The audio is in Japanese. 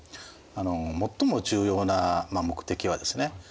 最も重要な目的はですね